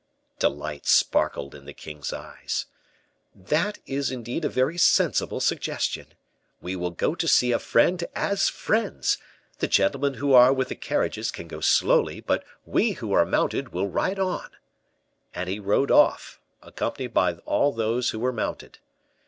Delight sparkled in the king's eyes. "That is indeed a very sensible suggestion. We will go to see a friend as friends; the gentlemen who are with the carriages can go slowly: but we who are mounted will ride on." And he rode off, accompanied by all those who were mounted.